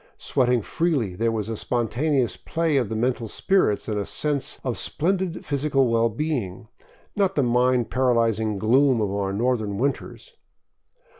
Sweating freely, there was a spontaneous play of the mental spirits and a sense of splendid phys ical well being, not the mind paralyzing gloom of our northern win ters.